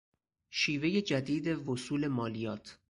شیوهی جدید وصول مالیات